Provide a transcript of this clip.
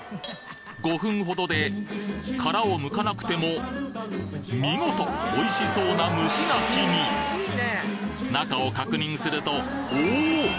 ５分ほどで殻をむかなくても見事おいしそうな蒸し牡蠣に中を確認するとおお！